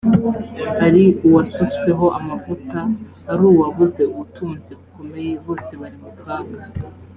ari uwasutsweho amavuta ariuwabuze ubutunzi bukomeye bose bari mu kaga